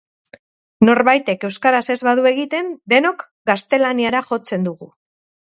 Norbaitek euskaraz ez badu egiten denok gaztelaniara jotzen dugu.